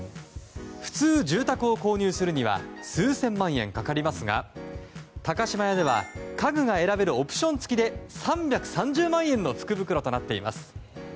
普通、住宅を購入するには数千万円かかりますが高島屋では家具が選べるオプション付きで３３０万円の福袋となっています。